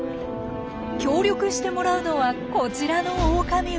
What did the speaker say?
協力してもらうのはこちらのオオカミウオ。